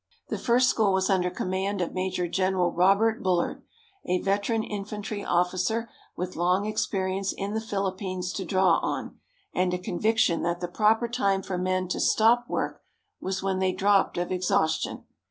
The first school was under command of Major General Robert Bullard, a veteran infantry officer with long experience in the Philippines to draw on, and a conviction that the proper time for men to stop work was when they dropped of exhaustion.